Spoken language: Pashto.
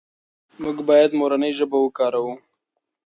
موږ باید مورنۍ ژبه وکاروو.